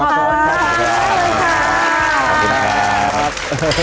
ขอบคุณครับขอบคุณครับ